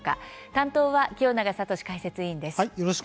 担当は清永聡解説委員です。